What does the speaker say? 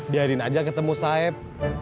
biarin aja ketemu saeb